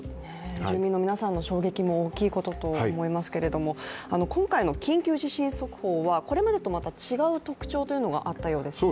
住民の皆さんの衝撃も大きいことと思いますけれども今回の緊急地震速報はこれまでと違う特徴があったようですね。